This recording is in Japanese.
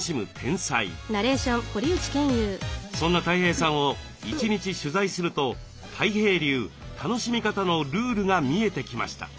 そんなたい平さんを一日取材するとたい平流楽しみ方のルールが見えてきました。